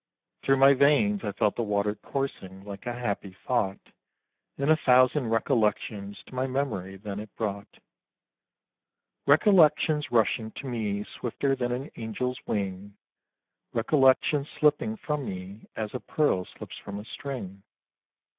Through my veins I felt the water coursing like a happy thought, And a thousand recollections to my memory then it brought. Recollections rushing to me swifter than an angel's wing, Recollections slipping from me as a pearl slips from a string.